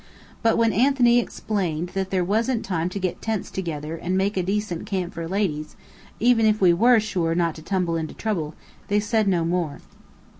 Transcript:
But when Anthony explained that there wasn't time to get tents together and make a decent camp for ladies, even if we were sure not to tumble into trouble, they said no more.